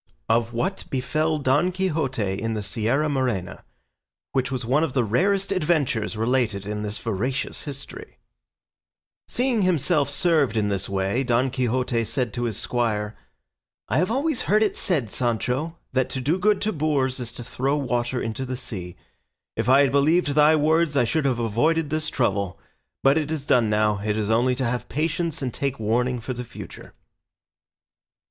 OF WHAT BEFELL DON QUIXOTE IN THE SIERRA MORENA, WHICH WAS ONE OF THE RAREST ADVENTURES RELATED IN THIS VERACIOUS HISTORY Seeing himself served in this way, Don Quixote said to his squire, "I have always heard it said, Sancho, that to do good to boors is to throw water into the sea. If I had believed thy words, I should have avoided this trouble; but it is done now, it is only to have patience and take warning for the future."